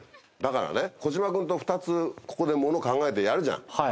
だからね児嶋くんと２つここでもの考えてやるじゃん。